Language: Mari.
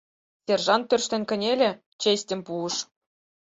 Сержант тӧрштен кынеле, честьым пуыш.